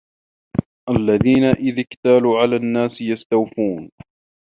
الَّذينَ إِذَا اكتالوا عَلَى النّاسِ يَستَوفونَ